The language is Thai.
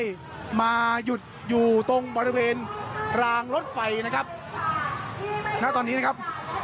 ที่มาหยุดอยู่ตรงบริเวณรางรถไฟนะครับณตอนนี้นะครับ